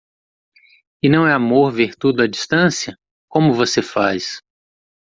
E não é amor ver tudo à distância? como você faz.